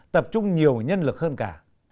tập trung nhiều nhân lực hơn cả